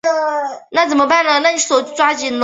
这一物种下没有可辨识的亚种。